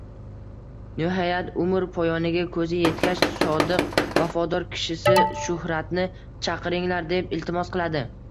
Nihoyat umr poyoniga ko‘zi yetgach, sodiq, vafodor kishisi Shuhratni chaqiringlar, deb iltimos qiladi.